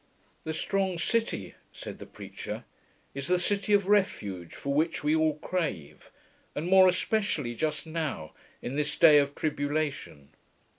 The strong city, said the preacher, is the city of refuge for which we all crave, and more especially just now, in this day of tribulation.